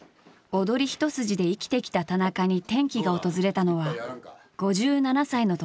踊り一筋で生きてきた田中に転機が訪れたのは５７歳のとき。